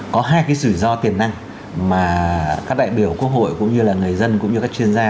có hai cái sủi do tiền năng mà các đại biểu quốc hội cũng như là người dân cũng như các chuyên gia